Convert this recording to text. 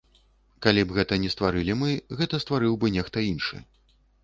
Калі б гэта не стварылі мы, гэта стварыў бы нехта іншы.